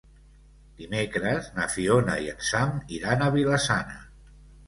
Dimecres na Fiona i en Sam iran a Vila-sana.